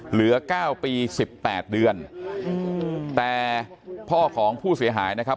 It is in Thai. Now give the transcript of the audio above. เหลือเก้าปีสิบแปดเดือนแต่พ่อของผู้เสียหายนะครับ